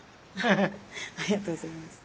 ありがとうございます。